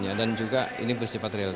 jadi kita bisa lihat kapan berangkatnya